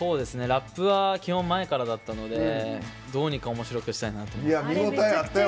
ラップは基本前からだったのでどうにかおもしろくしたいなと思って。